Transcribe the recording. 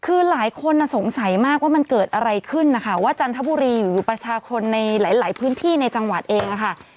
คือหลายคนสงสัยมากว่ามันเกิดอะไรขึ้นนะคะว่าจันทบุรีอยู่ประชาชนในหลายพื้นที่ในจังหวัดเองค่ะ